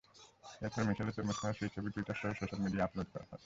এরপরে মিশেলের তরমুজ খাওয়ার সেই ছবি টুইটারসহ সোশ্যাল মিডিয়ায় আপলোড করা হয়।